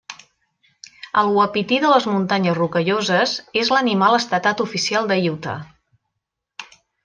El uapití de les Muntanyes Rocalloses és l'animal estatal oficial de Utah.